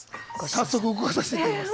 早速動かさせていただきます。